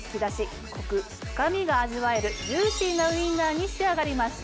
コク深みが味わえるジューシーなウインナーに仕上がりました。